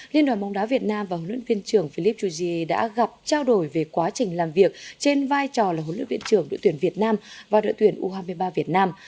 liên đoàn bóng đá việt nam và huấn luyện viên trưởng philipp choujie đã gặp trao đổi về quá trình làm việc trên vai trò là huấn luyện viên trưởng đội tuyển việt nam và đội tuyển u hai mươi ba việt nam